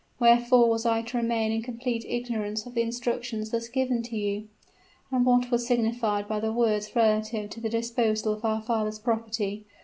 Wherefore was I to remain in complete ignorance of the instructions thus given to you? And what was signified by the words relative to the disposal of our father's property?